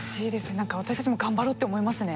何か私たちも頑張ろうって思いますね。